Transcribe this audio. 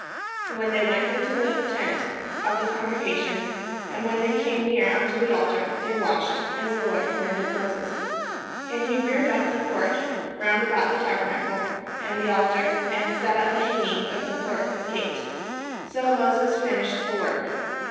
When they went into the tent of the congregation, and when they came near unto the altar, they washed; as the Lord commanded Moses. And he reared up the court round about the tabernacle and the altar, and set up the hanging of the court gate. So Moses finished the work.